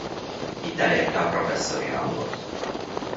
Itt elérte a professzori rangot.